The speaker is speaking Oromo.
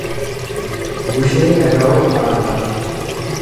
Gushee Nagawoo Aagaa